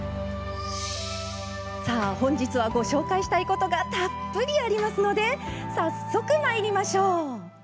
さあ、本日はご紹介したいことがたっぷりありますので早速いきましょう。